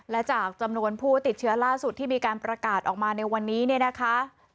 และจากจำนวนผู้ติดเชื้อล่าสุดที่มีการประกาศออกมาในวันนี้เนี่ยนะคะ